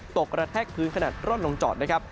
กระแทกพื้นขนาดร่อนลงจอดนะครับ